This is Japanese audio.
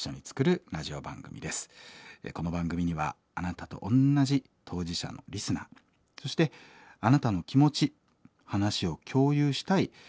この番組にはあなたとおんなじ当事者のリスナーそしてあなたの気持ち話を共有したいスタッフがおります。